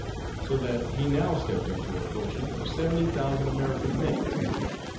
So that he now stepped into a fortune of seventy thousand American _"mitts."